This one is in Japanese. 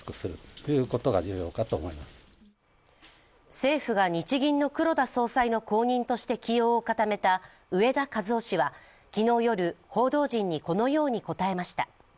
政府が日銀の黒田総裁の後任として起用を固めた植田和男氏は昨日夜、報道陣にこのように答えました。